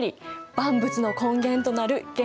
万物の根源となる元素。